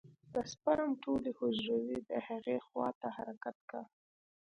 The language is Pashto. د سپرم ټولې حجرې د هغې خوا ته حرکت کا.